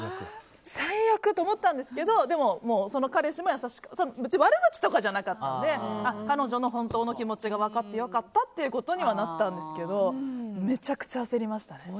最悪と思ったんですけどもう、その彼氏も悪口とかじゃなかったので彼女の本当の気持ちが分かって良かったということにはなったんですけどめちゃくちゃ焦りましたね。